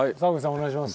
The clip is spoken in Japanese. お願いします。